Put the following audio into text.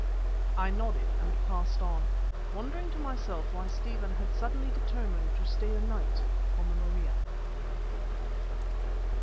I nodded and passed on, wondering to myself why Stephen had suddenly determined to stay the night on the Maria.